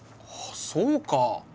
あそうか。